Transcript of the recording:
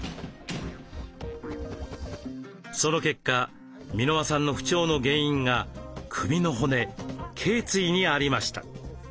その結果箕輪さんの不調の原因が首の骨けい椎にありました。